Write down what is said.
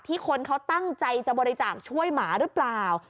คนเขาตั้งใจจะบริจาคช่วยหมาหรือเปล่า